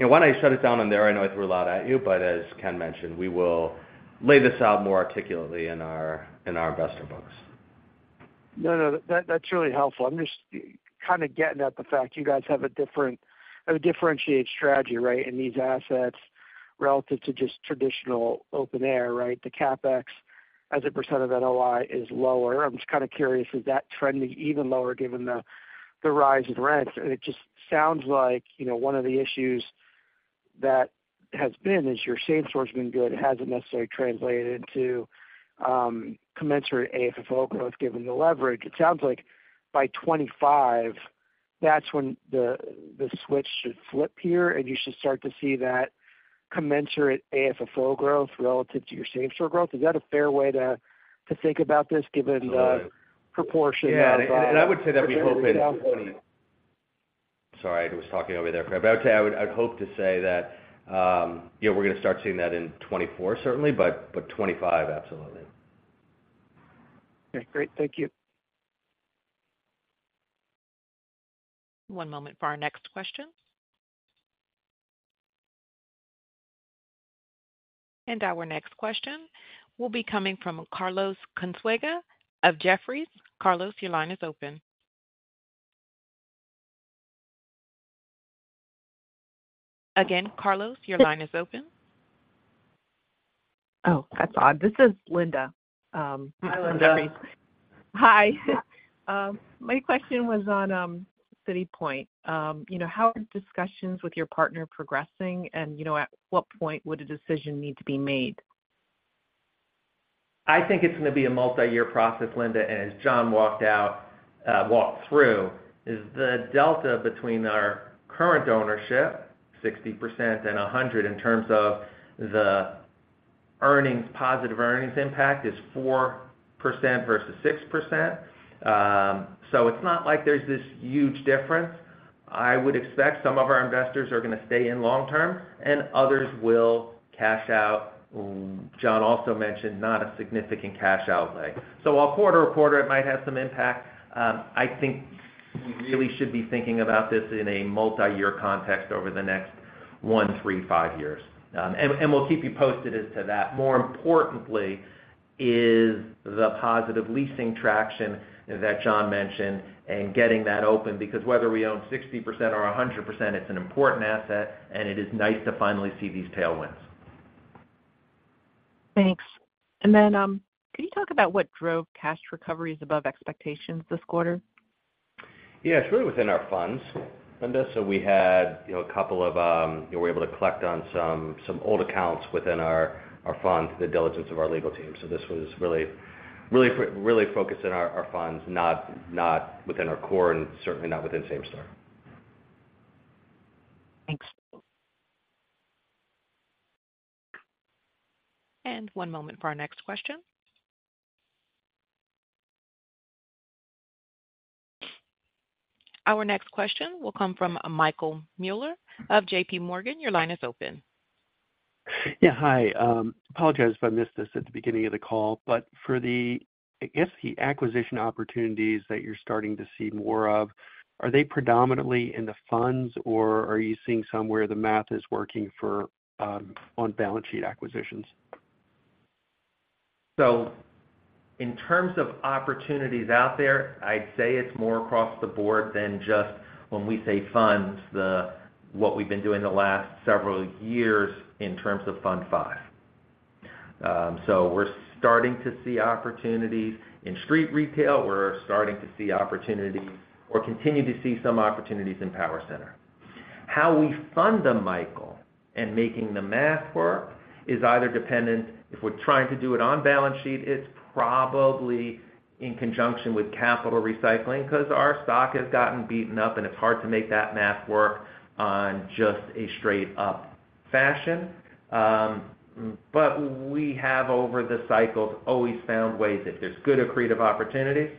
know, why don't I shut it down on there? I know I threw a lot at you, but as Ken mentioned, we will lay this out more articulately in our, in our investor books. No, no, that- that's really helpful. I'm just kind of getting at the fact you guys have a different, have a differentiated strategy, right, in these assets relative to just traditional open air, right? The CapEx, as a % of NOI, is lower. I'm just kind of curious, is that trending even lower given the, the rise in rents? It just sounds like, you know, one of the issues that has been, is your same store has been good, it hasn't necessarily translated into commensurate AFFO growth, given the leverage. It sounds like by 25, that's when the, the switch should flip here, and you should start to see that commensurate AFFO growth relative to your same store growth. Is that a fair way to, to think about this, given the- Right proportion of, Yeah, I would say that we hope in- sorry, he was talking over there, Craig. I would say, I would hope to say that, yeah, we're going to start seeing that in 24, certainly, but, but 25, absolutely. Okay, great. Thank you. One moment for our next question. Our next question will be coming from Carlos Conesa of Jefferies. Carlos, your line is open. Again, Carlos, your line is open. Oh, that's odd. This is Linda. Hi, Linda. Hi. My question was on City Point. You know, how are discussions with your partner progressing? You know, at what point would a decision need to be made? I think it's going to be a multi-year process, Linda, and as John walked out, walked through, is the delta between our current ownership, 60% and 100, in terms of the earnings, positive earnings impact, is 4% versus 6%. It's not like there's this huge difference. I would expect some of our investors are going to stay in long term, and others will cash out. John also mentioned not a significant cash outlay. While quarter to quarter it might have some impact, I think we really should be thinking about this in a multi-year context over the next 1, 3, 5 years. And, and we'll keep you posted as to that. More importantly, is the positive leasing traction that John mentioned and getting that open, because whether we own 60% or 100%, it's an important asset, and it is nice to finally see these tailwinds. Thanks. Can you talk about what drove cash recoveries above expectations this quarter? Yeah, it's really within our funds, Linda. We had, you know, a couple of, we were able to collect on some, some old accounts within our, our fund, the diligence of our legal team. This was really, really, really focused in our, our funds, not, not within our core and certainly not within Same-store. Thanks. One moment for our next question. Our next question will come from Michael Mueller of JP Morgan. Your line is open. Yeah, hi. Apologize if I missed this at the beginning of the call, but for the, I guess, the acquisition opportunities that you're starting to see more of, are they predominantly in the funds, or are you seeing somewhere the math is working for, on balance sheet acquisitions? In terms of opportunities out there, I'd say it's more across the board than just when we say funds, what we've been doing the last several years in terms of Fund 5. We're starting to see opportunities in street retail. We're starting to see opportunities or continue to see some opportunities in power center. How we fund them, Michael, and making the math work, is either dependent if we're trying to do it on balance sheet, it's probably in conjunction with capital recycling because our stock has gotten beaten up, and it's hard to make that math work on just a straight-up fashion. We have, over the cycles, always found ways, if there's good accretive opportunities,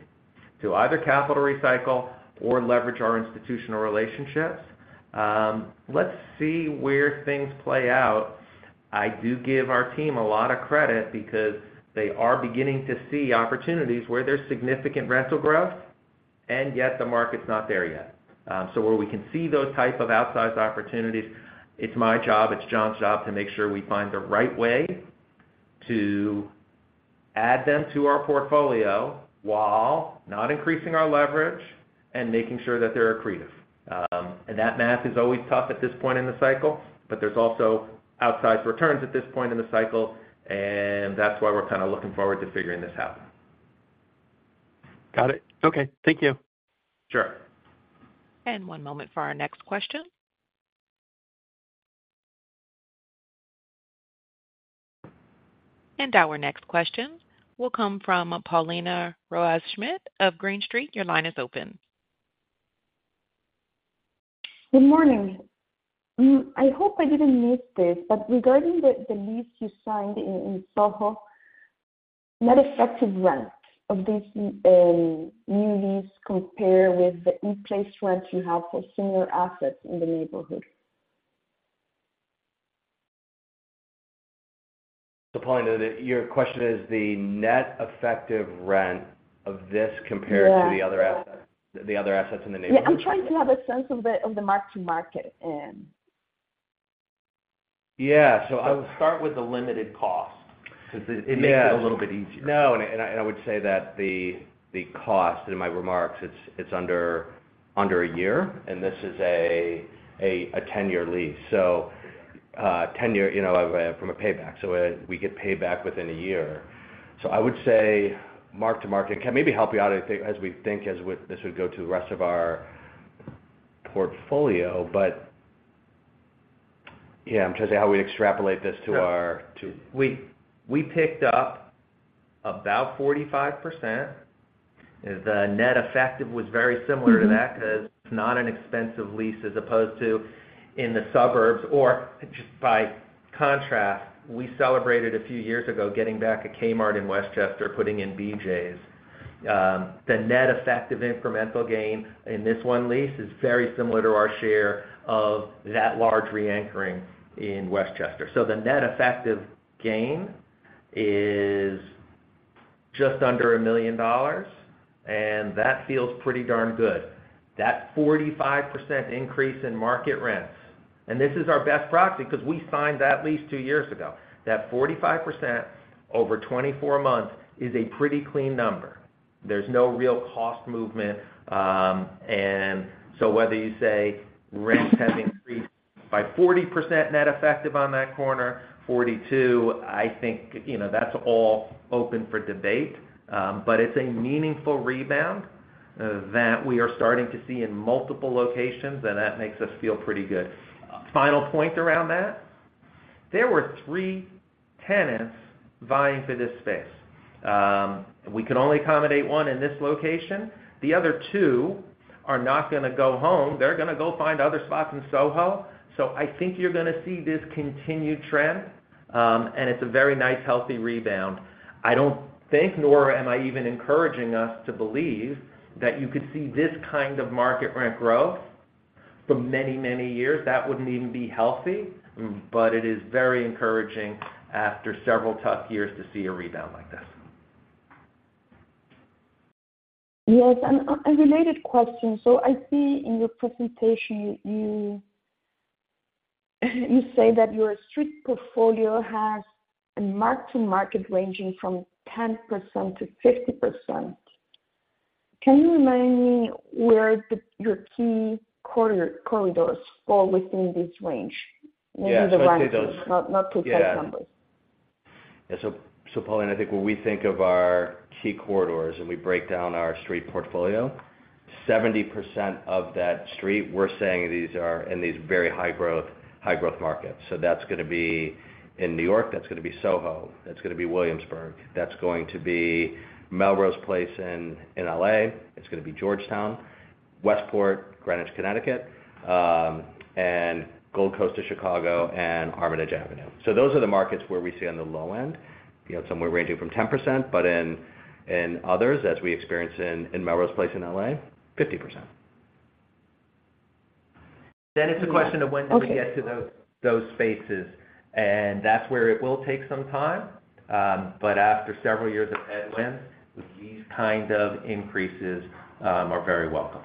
to either capital recycle or leverage our institutional relationships. Let's see where things play out. I do give our team a lot of credit because they are beginning to see opportunities where there's significant rental growth, and yet the market's not there yet. Where we can see those type of outsized opportunities, it's my job, it's John's job to make sure we find the right way to add them to our portfolio while not increasing our leverage and making sure that they're accretive. That math is always tough at this point in the cycle, but there's also outsized returns at this point in the cycle, and that's why we're kind of looking forward to figuring this out. Got it. Okay, thank you. Sure. One moment for our next question. Our next question will come from Paulina Rojas-Schmidt of Green Street. Your line is open. Good morning. I hope I didn't miss this, regarding the lease you signed in Soho, net effective rent of this new lease compare with the in-place rent you have for similar assets in the neighborhood? Paulina, your question is the net effective rent of this compared? Yeah. to the other assets, the other assets in the neighborhood? Yeah, I'm trying to have a sense of the, of the mark-to-market. Yeah. I would start with the limited cost, because it makes it a little bit easier. No. I would say that the cost in my remarks, it's under a year. This is a 10-year lease. 10 year, you know, from a payback, so we get paid back within a year. I would say mark to market. Can I maybe help you out, I think, as we think this would go to the rest of our portfolio, but. Yeah, I'm trying to say how we extrapolate this to our. We, we picked up about 45%. The net effective was very similar to that because it's not an expensive lease, as opposed to in the suburbs, or just by contrast, we celebrated a few years ago getting back a Kmart in Westchester, putting in BJ's. The net effective incremental gain in this one lease is very similar to our share of that large reanchoring in Westchester. The net effective gain is just under $1 million, and that feels pretty darn good. That 45% increase in market rents, and this is our best proxy because we signed that lease 2 years ago. That 45% over 24 months is a pretty clean number. There's no real cost movement. Whether you say rents have increased by 40% net effective on that corner, 42, I think, you know, that's all open for debate. It's a meaningful rebound, that we are starting to see in multiple locations, and that makes us feel pretty good. Final point around that, there were 3 tenants vying for this space. We could only accommodate 1 in this location. The other 2 are not going to go home. They're going to go find other spots in Soho. I think you're going to see this continued trend, and it's a very nice, healthy rebound. I don't think, nor am I even encouraging us to believe, that you could see this kind of market rent growth for many, many years. That wouldn't even be healthy, but it is very encouraging after several tough years to see a rebound like this. Yes, a related question. I see in your presentation, you say that your street portfolio has a mark-to-market ranging from 10%-50%. Can you remind me where your key corridors fall within this range? Yeah. Maybe the range, not, not too specific numbers. Yeah. Paulina, I think when we think of our key corridors, and we break down our street portfolio, 70% of that street, we're saying these are in these very high growth, high growth markets. That's going to be in New York, that's going to be Soho, that's going to be Williamsburg, that's going to be Melrose Place in, in L.A., it's going to be Georgetown, Westport, Greenwich, Connecticut, and Gold Coast of Chicago and Armitage Avenue. Those are the markets where we see on the low end, you know, somewhere ranging from 10%, but in, in others, as we experience in, in Melrose Place in L.A., 50%. It's a question of when do we get to those, those spaces, and that's where it will take some time. After several years of headwind, these kind of increases, are very welcome.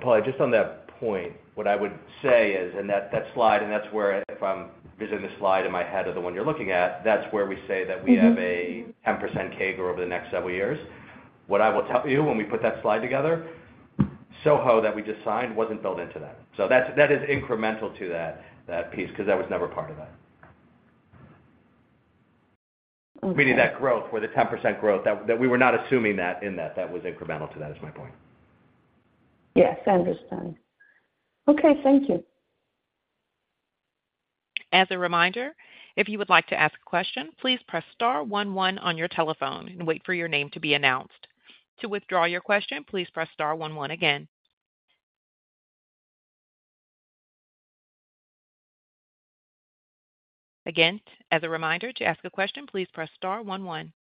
Paulina, just on that point, what I would say is, and that, that slide, and that's where if I'm visiting the slide in my head or the one you're looking at, that's where we say that we have a 10% CAGR over the next several years. What I will tell you, when we put that slide together, Soho, that we just signed, wasn't built into that. That's, that is incremental to that, that piece, because that was never part of that. Okay. Meaning that growth, where the 10% growth, that, that we were not assuming that in that, that was incremental to that, is my point. Yes, I understand. Okay, thank you. As a reminder, if you would like to ask a question, please press star one one on your telephone and wait for your name to be announced. To withdraw your question, please press star one one again. Again, as a reminder, to ask a question, please press star one one.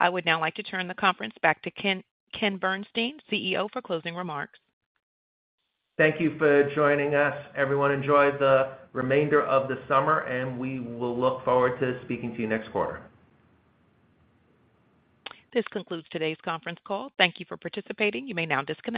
I would now like to turn the conference back to Ken, Ken Bernstein, CEO, for closing remarks. Thank you for joining us. Everyone, enjoy the remainder of the summer, and we will look forward to speaking to you next quarter. This concludes today's conference call. Thank You for participating. You may now disconnect.